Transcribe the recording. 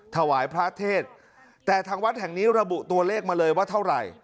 ถวายพระเทศแต่ทางวัดแห่งนี้ระบุตัวเลขมาเลยว่าเท่าไหร่